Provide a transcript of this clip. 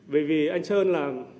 bởi vì anh sơn là